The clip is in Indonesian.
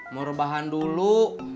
mau rebahan dulu